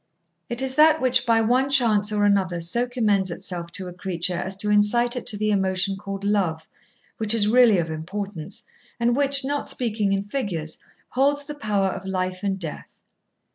It is that which by one chance or another so commends itself to a creature as to incite it to the emotion called love, which is really of importance, and which, not speaking in figures, holds the power of life and death.